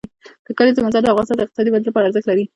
د کلیزو منظره د افغانستان د اقتصادي ودې لپاره ارزښت لري.